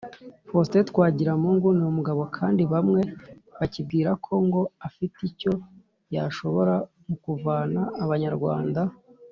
Faustin Twagiramungu ni umugabo kandi bamwe bacyibwira ko ngo afite icyo yashobora mu kuvana abanyarwanda